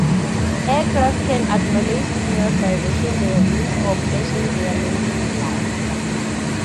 Aircraft can acknowledge signals by rocking their wings or flashing their landing lights.